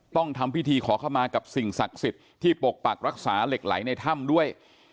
ต้องทำพิธีขอเข้ามากับสิ่งศักดิ์สิทธิ์ที่ปกปักรักษาเหล็กไหลในถ้ำด้วย